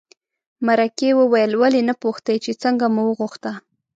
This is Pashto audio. مرکې وویل ولې نه پوښتې چې څنګه مو وغوښته.